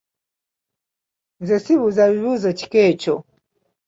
Nze sibuuza bibuuzo kika ekyo.